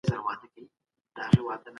د فرانسې انقلاب ډیرې وینې توی کړې.